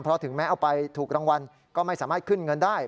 เพราะถึงแม้เอาไปถูกรางวัลก็ไม่สามารถขึ้นเงินได้